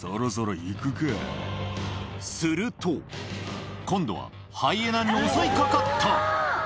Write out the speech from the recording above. すると今度はハイエナに襲い掛かった！